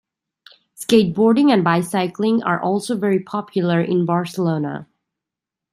Skateboarding and bicycling are also very popular in Barcelona.